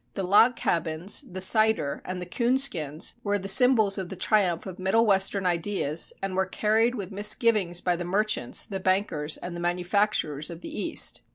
The log cabins, the cider and the coonskins were the symbols of the triumph of Middle Western ideas, and were carried with misgivings by the merchants, the bankers and the manufacturers of the East.